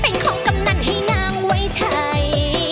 เป็นของกำนันให้นางไว้ใช้